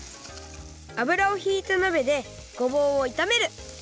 あぶらをひいたなべでごぼうをいためる！